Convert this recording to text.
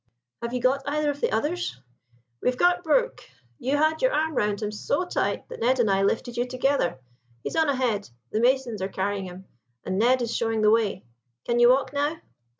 "Have you got either of the others?" "We've got Brook; you had your arm round him so tight that Ned and I lifted you together. He's on ahead; the masons are carrying him, and Ned is showing the way. Can you walk now?"